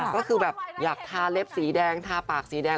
ก็คือแบบอยากทาเล็บสีแดงทาปากสีแดง